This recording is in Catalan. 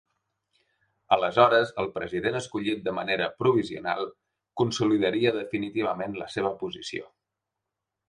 Aleshores, el president escollit de manera ‘provisional’ consolidaria definitivament la seva posició.